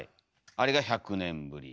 あれが１００年ぶり。